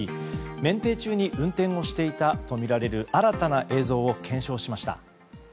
免停中に運転をしていたとみられる新たな映像を検証しました。